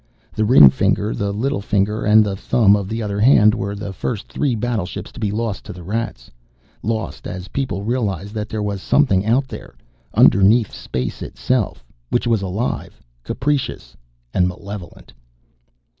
The ring finger, the little finger, and the thumb of the other hand were the first three battleships to be lost to the Rats lost as people realized that there was something out there underneath space itself which was alive, capricious and malevolent.